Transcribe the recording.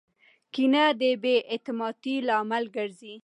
کینه د بې اعتمادۍ لامل ګرځي.